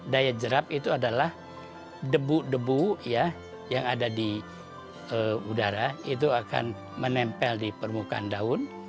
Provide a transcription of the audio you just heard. daya jerap itu adalah debu debu yang ada di udara itu akan menempel di permukaan daun